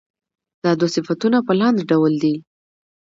دا دوه صفتونه په لاندې ډول دي.